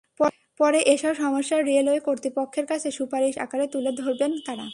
পরে এসব সমস্যা রেলওয়ে কর্তৃপক্ষের কাছে সুপারিশ আকারে তুলে ধরবেন তাঁরা।